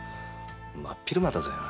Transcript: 真っ昼間だぜ。